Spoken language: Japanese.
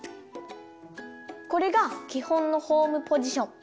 これがきほんのホームポジション。